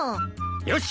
よし！